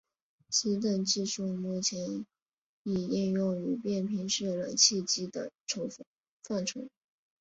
此等技术目前已应用于变频式冷气机等范畴。